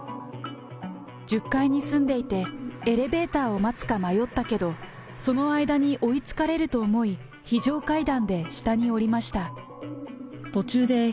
１０階に住んでいて、エレベーターを待つか迷ったけど、その間に追いつかれると思い、非常階段で下に下りました。